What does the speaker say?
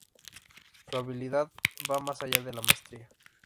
Su habilidad va más allá de la maestría.